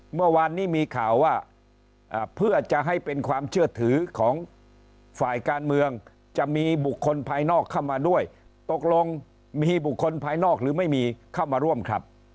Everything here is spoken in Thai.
เมื่อวานนี้มีข่าวว่าเพื่อจะให้เป็นความเชื่อถือของฝ่ายการเมืองจะมีบุคคลภายนอกเข้ามาด้วยตกลงมีบุคคลภายนอกหรือไม่มีเข้ามาร่วมครับ